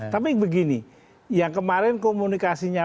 tapi begini yang kemarin komunikasinya